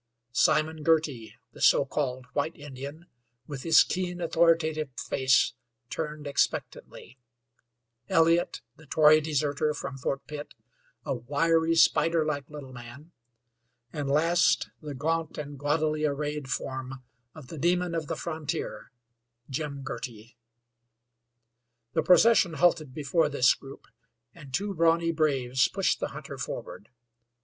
Simon Girty, the so called White Indian, with his keen, authoritative face turned expectantly; Elliott, the Tory deserter, from Fort Pitt, a wiry, spider like little man; and last, the gaunt and gaudily arrayed form of the demon of the frontier Jim Girty. The procession halted before this group, and two brawny braves pushed the hunter forward.